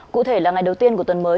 cụ thể là ngày đầu tiên của tuần mới